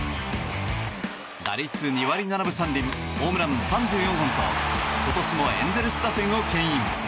打率２割７分３厘ホームラン３４本と今年もエンゼルス打線を牽引。